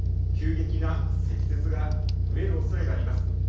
急激な積雪が増えるおそれがあります。